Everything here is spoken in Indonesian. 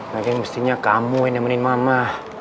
nanti mestinya kamu yang nemenin mama